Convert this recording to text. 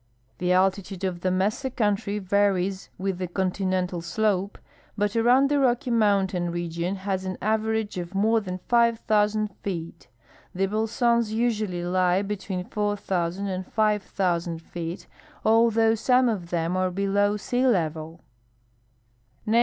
The altitude of the mesa country varies with the continental slope, but around the Rocky mountain re gion has an average of more than 5,000 feet. The bojsons usually lie l)etween 4,000 and 5,000 feet, although some of them are below sea level.